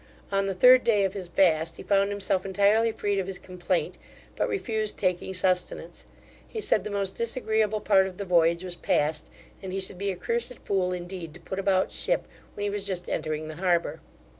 On the third day of his fast, he found himself entirely freed of his complaint; but refused taking sustenance. He said the most disagreeable part of the voyage was past, and he should be a cursed fool indeed, to put about ship, when he was just entering the harbour.